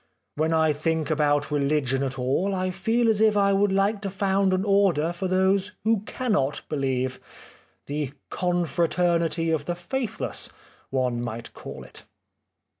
... When I think about rehgion at all I feel as if I would like to found an order for those who cannot believe : the Confraternity of the Faithless one might call it."